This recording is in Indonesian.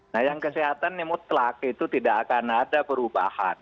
nah yang kesehatan yang mutlak itu tidak akan ada perubahan